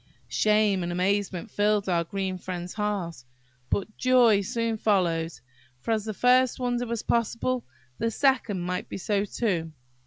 Shame and amazement filled our green friend's heart, but joy soon followed; for, as the first wonder was possible, the second might be so too.